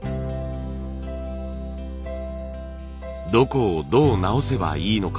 どこをどう直せばいいのか。